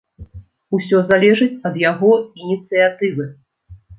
Усе залежыць ад яго ініцыятывы.